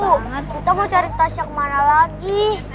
bu kita mau cari tasya kemana lagi